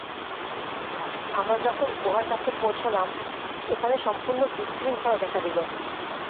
আমরা যখন গুহার কাছে পৌঁছলাম, সেখানে সম্পূর্ণ বিশৃঙ্খলা দেখা দিলো।